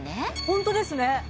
ホントですね